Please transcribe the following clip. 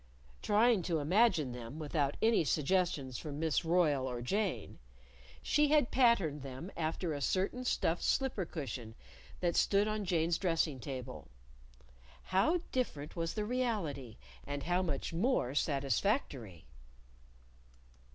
Trying to imagine them without any suggestions from Miss Royle or Jane, she had patterned them after a certain stuffed slipper cushion that stood on Jane's dressing table. How different was the reality, and how much more satisfactory!